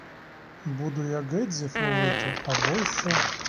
Буду я ґедзів ловити, абощо.